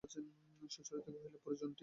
সুচরিতা কহিল, পরিজনটি কে?